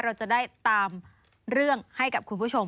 เราจะได้ตามเรื่องให้กับคุณผู้ชม